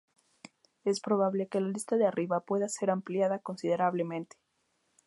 Es probable que la lista de arriba pueda ser ampliada considerablemente.